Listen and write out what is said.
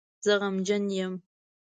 زه غمجن یم